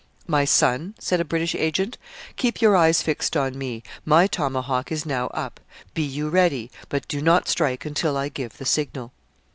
'My son,' said a British agent, 'keep your eyes fixed on me; my tomahawk is now up; be you ready, but do not strike until I give the signal.'